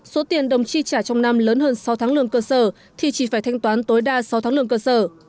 số tiền đồng chi trả trong năm lớn hơn sáu tháng lương cơ sở thì chỉ phải thanh toán tối đa sáu tháng lương cơ sở